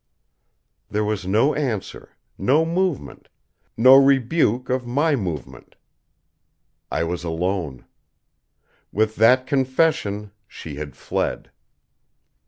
There was no answer, no movement; no rebuke of my movement. I was alone. With that confession she had fled.